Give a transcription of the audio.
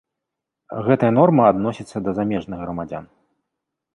Гэтая норма адносіцца да замежных грамадзян.